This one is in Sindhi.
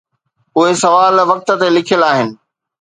اهي سوال وقت تي لکيل آهن.